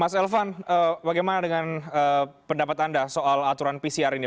mas elvan bagaimana dengan pendapat anda soal aturan pcr ini